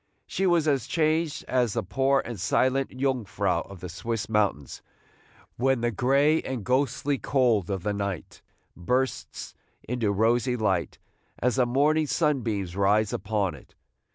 She was as changed as the poor and silent Jungfrau of the Swiss mountains, when the gray and ghostly cold of the night bursts into rosy light, as the morning sunbeams rise upon it.